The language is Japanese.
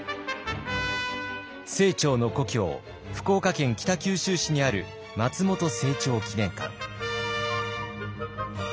清張の故郷福岡県北九州市にある松本清張記念館。